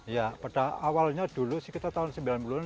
ya pada awalnya dulu sekitar tahun sembilan puluh an